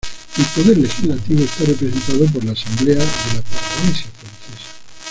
El poder legislativo está representado por la Asamblea de la Polinesia Francesa.